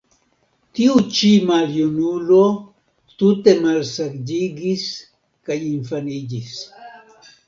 Tiu ĉi maljunulo tute malsaĝiĝis kaj infaniĝis.